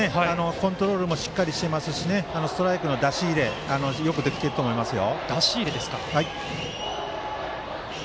コントロールもしっかりしていますしストライクの出し入れもよくできていると思いますよ。